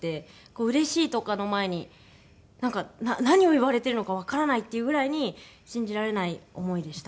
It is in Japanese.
うれしいとかの前になんか何を言われてるのかわからないっていうぐらいに信じられない思いでした。